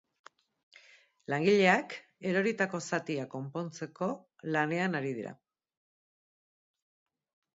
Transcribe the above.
Langileak eroritako zatia konpontzeko lanean ari dira.